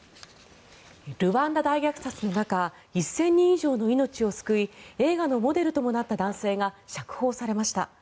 ルワンダ大虐殺の中１０００人以上の命を救い映画のモデルともなった男性が釈放されました。